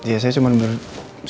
ya saya cuman ber